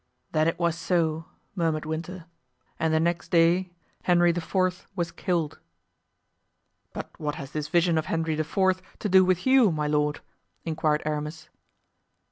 "Then it was so," murmured Winter, "and the next day Henry IV. was killed." "But what has this vision of Henry IV. to do with you, my lord?" inquired Aramis.